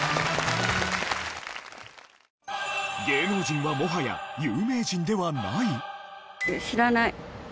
芸能人はもはや有名人ではない？